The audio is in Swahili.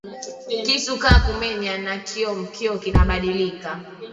Kisu kya ku menya nakyo myoko kinalabika